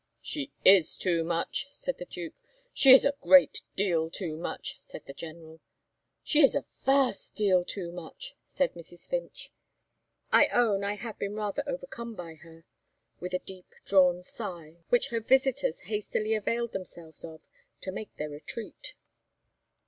"She is too much!" said the Duke. "She is a great deal too much!" said the General. "She is a vast deal too much!" said Mrs. Finch. "I own I have been rather overcome by her!" with a deep drawn sigh, which her visitors hastily availed themselves of to make their retreat.